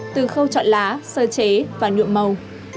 từ khâu chọn lá sơ chế và nhuộm màu